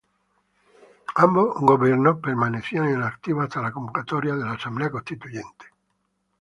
Ambos gobiernos permanecerían en activo hasta la convocatoria de la asamblea constituyente.